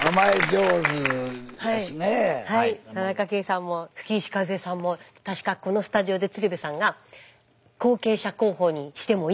田中圭さんも吹石一恵さんも確かこのスタジオで鶴瓶さんが後継者候補にしてもいいと太鼓判を押したお二人でした。